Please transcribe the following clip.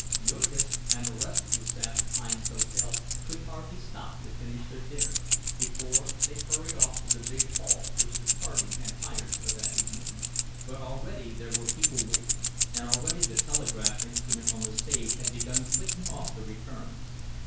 Jurgis and the rest of the staff of Hinds's Hotel could hardly stop to finish their dinner, before they hurried off to the big hall which the party had hired for that evening. But already there were people waiting, and already the telegraph instrument on the stage had begun clicking off the returns.